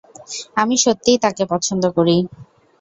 আমি সত্যিই তাকে পছন্দ করি।